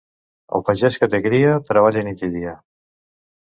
El pagès que té cria, treballa nit i dia.